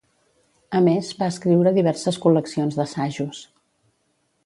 A més, va escriure diverses col·leccions d'assajos.